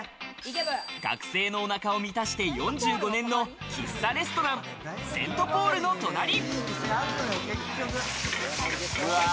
学生のお腹を満たして４５年の喫茶レストラン、セントポールの隣り。